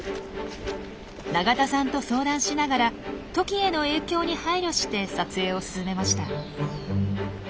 永田さんと相談しながらトキへの影響に配慮して撮影を進めました。